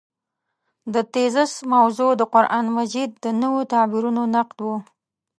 د تېزس موضوع د قران مجید د نویو تعبیرونو نقد و.